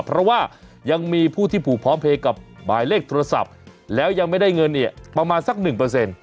เพราะว่ายังมีผู้ที่ผูกพร้อมเพลย์กับหมายเลขโทรศัพท์แล้วยังไม่ได้เงินเนี่ยประมาณสักหนึ่งเปอร์เซ็นต์